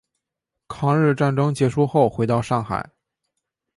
抗日战争结束后回到上海。